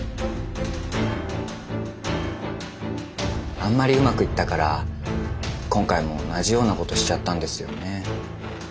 あんまりうまくいったから今回も同じようなことしちゃったんですよね。